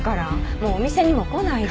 もうお店にも来ないで。